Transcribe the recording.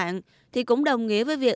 trên mạng thì cũng đồng nghĩa với việc